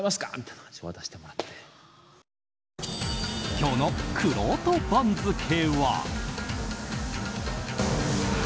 今日のくろうと番付は。